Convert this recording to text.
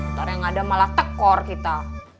motor yang ada malah tekor kita